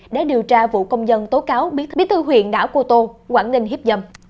để điều tra vụ công dân tố cáo bí thư huyện đảo cô tô quảng ninh hiếp dâm